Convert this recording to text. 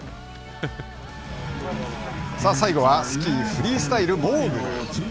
さあ最後はスキーフリースタイルモーグル。